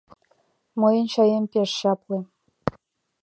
— Мыйын чаем пеш чапле.